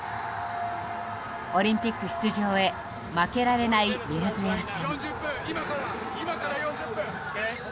オリンピック出場へ負けられないベネズエラ戦。